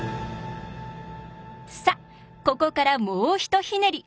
さあここからもう一ひねり。